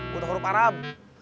buta huruf aram